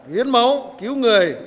hiến máu cứu người